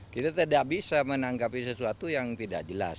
kita tidak bisa menanggapi sesuatu yang tidak jelas